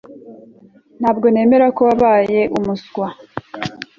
Ntabwo nemera ko wabaye umuswa